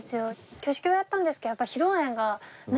挙式はやったんですけどやっぱり披露宴がねえ